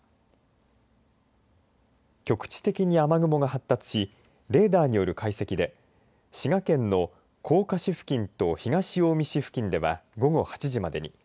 局地的に雨雲が発達しレーダーによる解析で滋賀県の甲賀市付近と東近江市付近では午後８時までに。